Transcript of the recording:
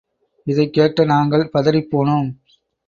இதைக் கேட்ட நாங்கள் பதறிப்போனோம்.